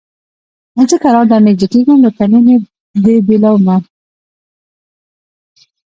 زه کرار درنیژدې کېږم له تنې دي بېلومه